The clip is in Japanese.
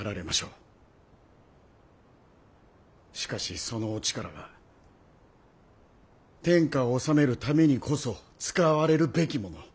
しかしそのお力は天下を治めるためにこそ使われるべきもの。